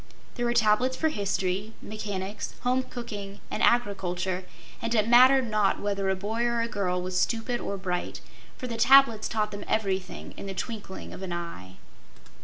There were tablets for history, mechanics, home cooking and agriculture, and it mattered not whether a boy or a girl was stupid or bright, for the tablets taught them everything in the twinkling of an eye.